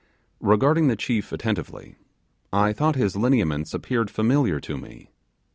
Regarding the chief attentively, I thought his lineaments appeared familiar to me.